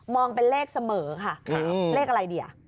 องเป็นเลขเสมอค่ะเลขอะไรดี